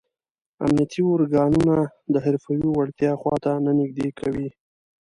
امنیتي ارګانونه د حرفوي وړتیاو خواته نه نږدې کوي.